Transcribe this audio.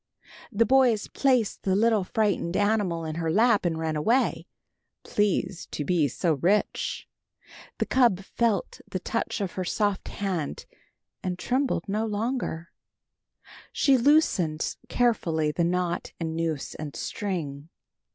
The boys placed the little frightened animal in her lap and ran away, pleased to be so rich. The cub felt the touch of her soft hand, and trembled no longer. She loosened carefully the knot and noose and string.